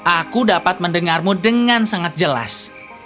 aku dapat mendengarmu dengan sangat jelas